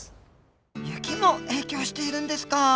雪も影響しているんですか。